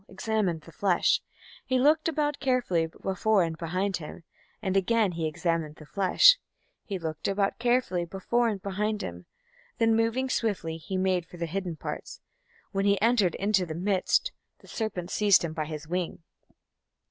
examined the flesh; He looked about carefully before and behind him; He again examined the flesh; He looked about carefully before and behind him, Then, moving swiftly, he made for the hidden parts. When he entered into the midst, The serpent seized him by his wing.